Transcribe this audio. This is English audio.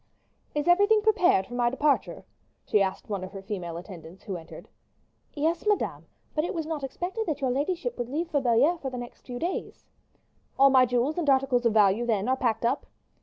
"Is everything prepared for my departure?" she inquired of one of her female attendants who entered. "Yes, madame; but it was not expected that your ladyship would leave for Belliere for the next few days." "All my jewels and articles of value, then, are packed up?"